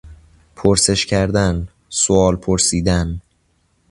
پرسش کردن، سئوال پرسیدن